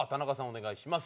お願いします。